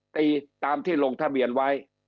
ตามที่ลงทะเบียนไว้